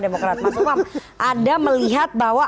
jadi siapa yang memang melihat bahwa